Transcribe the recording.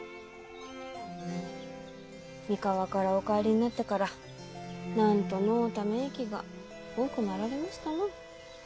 三河からお帰りになってから何とのうため息が多くなられましたな。